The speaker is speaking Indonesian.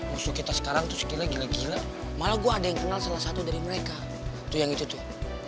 musuh kita sekarang tuh sekila gila gila malah gue ada yang kenal salah satu dari mereka tuh yang itu tuh